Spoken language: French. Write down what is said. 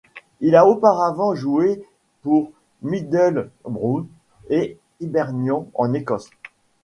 Il a auparavant joué pour Middlesbrough et Hibernian en Écosse.